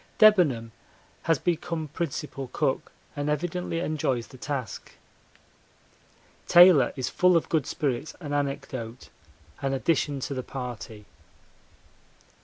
Debenham has become principal cook, and evidently enjoys the task. Taylor is full of good spirits and anecdote, an addition to the party.